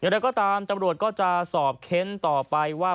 แล้วก็ตามตำรวจก็จะสอบเค้นต่อไปว่า